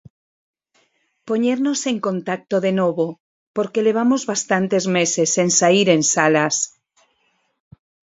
Poñernos en contacto de novo porque levamos bastantes meses sen saír en salas.